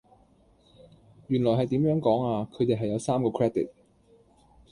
原來係點樣講啊，佢哋係有三個 Credit